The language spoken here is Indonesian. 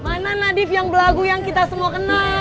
mana nadi yang belagu yang kita semua kenal